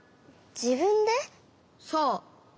そう。